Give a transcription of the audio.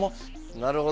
なるほど。